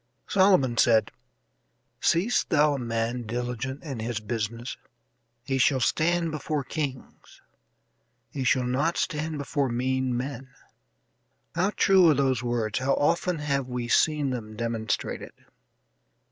Solomon said: "Seest thou a man diligent in his business? he shall stand before kings, he shall not stand before mean men." How true are those words; how often have we seen them demonstrated.